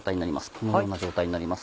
このような状態になります。